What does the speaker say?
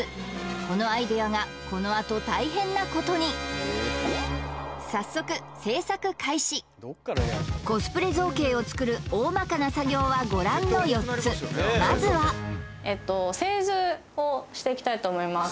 このアイデアがこのあと大変なことに早速製作開始コスプレ造形を作るおおまかな作業はご覧の４つまずは製図をしていきたいと思います